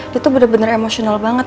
dia tuh bener bener emosional banget